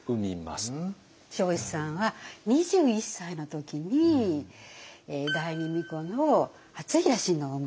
彰子さんは２１歳の時に第二皇子の敦成親王を産む。